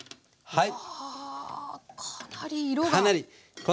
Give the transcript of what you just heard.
はい。